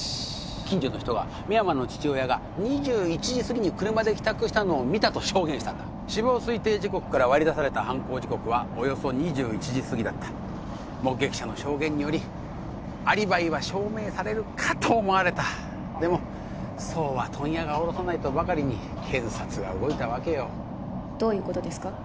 近所の人は深山の父親が２１時すぎに車で帰宅したのを見たと証言したんだ死亡推定時刻から割り出された犯行時刻はおよそ２１時すぎだった目撃者の証言によりアリバイは証明されるかと思われたでもそうは問屋が卸さないとばかりに検察が動いたわけよどういうことですか？